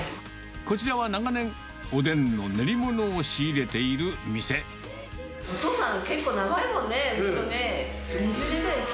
こちらは長年、おでんの練りお父さん、結構長いもんね、うちとね。